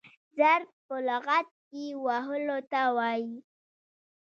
ضرب په لغت کښي وهلو ته وايي.